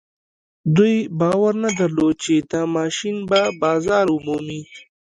دوی باور نه درلود چې دا ماشين به بازار ومومي.